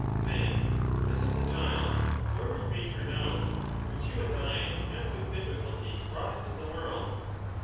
Then this is the child, however he may turn out, which you and I have with difficulty brought into the world.